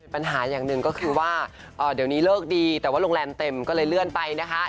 ปัญหาอย่างหนึ่งก็คือว่าเดี๋ยวนี้เลิกดีแต่ว่าโรงแรมเต็มก็เลยเลื่อนไปนะคะ